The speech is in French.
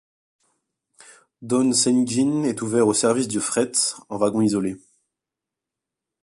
Don - Sainghin est ouvert au service du fret en wagon isolé.